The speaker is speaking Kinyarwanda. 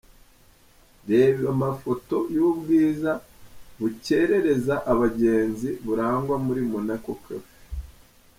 Reba amafoto y'ubwiza bukerereza abagenzi burangwa muri Monaco Cafe.